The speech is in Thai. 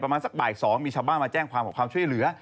ประมาณสักบ่าย๒มีชาวบ้านมาแจ้งความขอความช่วยเหลือ